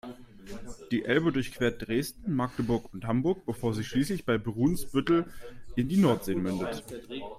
Die Elbe durchquert Dresden, Magdeburg und Hamburg, bevor sie schließlich bei Brunsbüttel in die Nordsee mündet.